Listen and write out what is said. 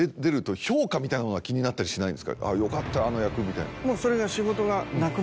「よかったあの役」みたいな。